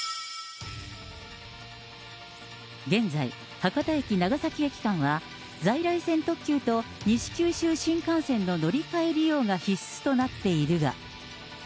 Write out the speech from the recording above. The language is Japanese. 現在、博多駅・長崎駅間は在来線特急と西九州新幹線の乗り換え利用が必須となっているが。